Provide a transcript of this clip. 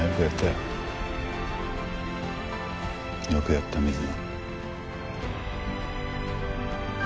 よくやった水野。